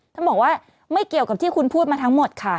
ท่านบอกว่าไม่เกี่ยวกับที่คุณพูดมาทั้งหมดค่ะ